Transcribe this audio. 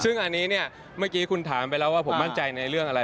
ซึ่งอันนี้เนี่ยเมื่อกี้คุณถามไปแล้วว่าผมมั่นใจในเรื่องอะไร